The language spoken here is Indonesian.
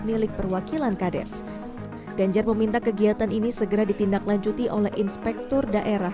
milik perwakilan kades ganjar meminta kegiatan ini segera ditindaklanjuti oleh inspektur daerah